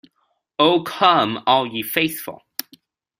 Oh come all ye faithful.